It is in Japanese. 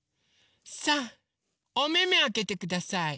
さあおめめあけてください。